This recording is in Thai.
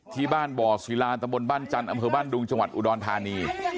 ที่บ้านบ่อศิลานตะบนบ้านจันทร์อำเภอบ้านดุงจังหวัดอุดรธานี